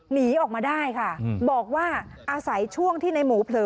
หนีออกมาได้ค่ะบอกว่าอาศัยช่วงที่ในหมูเผลอ